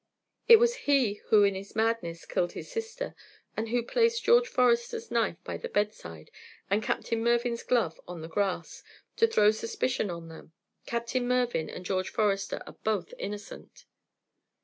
It was he who in his madness killed his sister, and who placed George Forester's knife by the bedside, and Captain Mervyn's glove on the grass, to throw suspicion on them. Captain Mervyn and George Forester are both innocent."